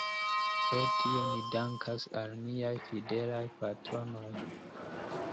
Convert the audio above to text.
Pro tio ni dankas al niaj fidelaj patronoj.